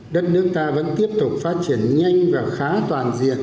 đất nước ta vẫn tiếp tục phát triển nhanh và khá toàn diện